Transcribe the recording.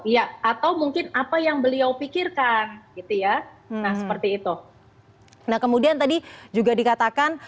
ya atau mungkin apa yang beliau pikirkan gitu ya nah seperti itu nah kemudian tadi juga dikatakan